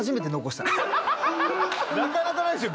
なかなかないですよ